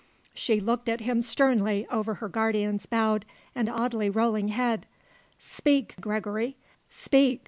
She looked at him sternly over her guardian's bowed and oddly rolling head. "Speak, Gregory! Speak!"